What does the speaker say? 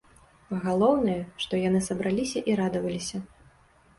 Галоўнае, што яны сабраліся і радаваліся.